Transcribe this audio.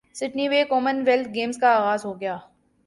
Sydney ویں Commonwealth Games کا اغاز ہو گیا